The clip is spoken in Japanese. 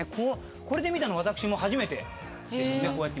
これで見たの私も初めてですね。